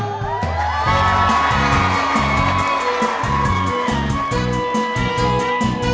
เสียดายจัง